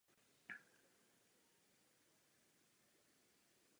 Podle jiných výpovědí měl Goldstein do davu věřících navíc hodit i ruční granát.